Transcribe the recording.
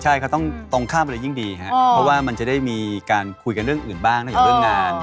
ใช่ครับต้องตรงข้ามไปเลยยิ่งดีครับเพราะว่ามันจะได้มีการคุยกันเรื่องอื่นบ้างนอกจากเรื่องงาน